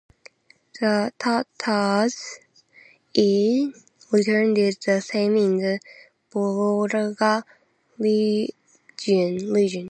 The Tatars in return did the same in the Volga region.